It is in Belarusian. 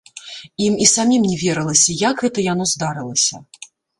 Ім і самім не верылася, як гэта яно здарылася.